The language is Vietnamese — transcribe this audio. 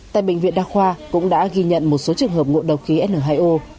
tại bệnh viện đa khoa cũng đã ghi nhận một số trường hợp ngộ độc khí n hai o